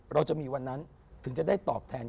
เราจะมีวันนั้นถึงจะได้ตอบแทน